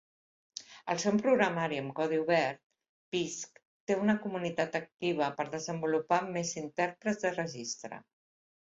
Al ser un programari amb codi obert, pisg té una comunitat activa per desenvolupar més intèrprets de registre.